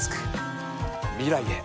未来へ。